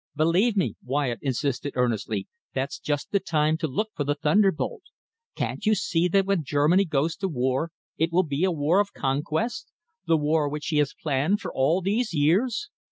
"Believe me," Wyatt insisted earnestly, "that's just the time to look for the thunderbolt. Can't you see that when Germany goes to war, it will be a war of conquest, the war which she has planned for all these years?